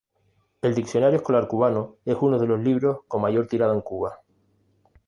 El Diccionario Escolar Cubano es uno de los libros con mayor tirada en Cuba.